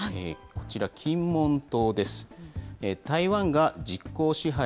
こちら、金門島です。